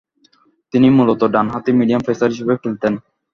তিনি মূলত ডানহাতি মিডিয়াম পেসার হিসেবে খেলতেন।